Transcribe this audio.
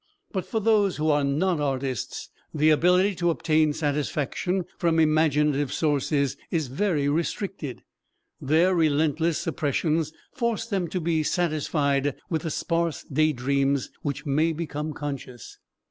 But for those who are not artists, the ability to obtain satisfaction from imaginative sources is very restricted. Their relentless suppressions force them to be satisfied with the sparse day dreams which may become conscious.